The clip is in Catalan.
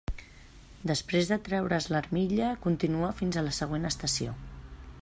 Després de treure's l'armilla, continua fins a la següent estació.